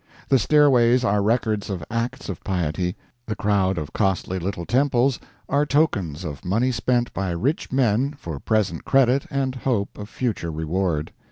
The stairways are records of acts of piety; the crowd of costly little temples are tokens of money spent by rich men for present credit and hope of future reward.